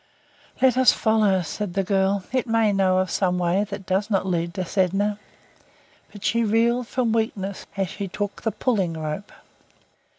"Let us follow," said the girl. "It may know some way that does not lead to Sedna"; but she reeled from weakness as she took the pulling rope.